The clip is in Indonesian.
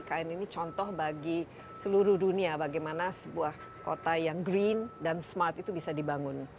ikn ini contoh bagi seluruh dunia bagaimana sebuah kota yang green dan smart itu bisa dibangun